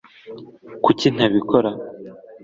kuki ntabikora